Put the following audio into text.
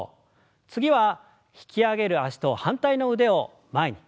次は引き上げる脚と反対の腕を前に。